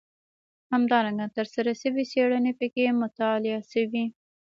همدارنګه ترسره شوې څېړنې پکې مطالعه شوي.